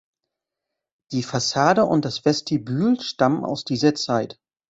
Die Fassade und das Vestibül stammen aus dieser Zeit.